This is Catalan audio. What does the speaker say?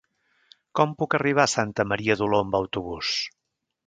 Com puc arribar a Santa Maria d'Oló amb autobús?